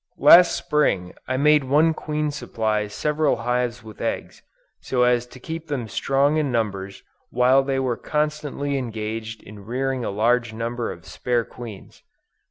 Last Spring, I made one queen supply several hives with eggs, so as to keep them strong in numbers while they were constantly engaged in rearing a large number of spare queens.